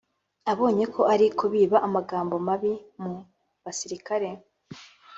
abonye ko ari kubiba amagambo mabi mu basirikare